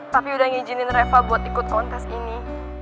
papi udah ngijinin reva buat ikut kontes ini